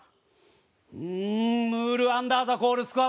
うーんムールアンダーザコールスコアブルー！